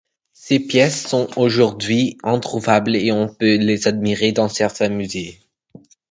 Ces pièces sont aujourd'hui introuvables et on peut les admirer dans certains musées.